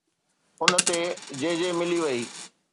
ان تي جي جي ملي وئي